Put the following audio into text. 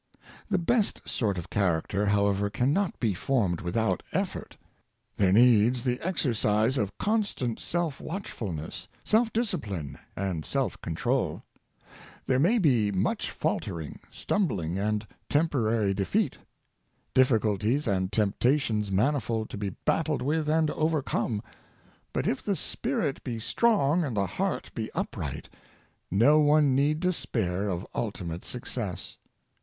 The best sort of character, however, can not be formed without effort. There needs the exercise of constant self watchfulness, self discipline, and self con trol. There may be much faltering, stumbling, and 70 Formation of Character, temporary defeat; difficulties and temptations manifold to be battled with and overcome; but if the spirit be strong and the heart be upright, no one need despair of ultimate success.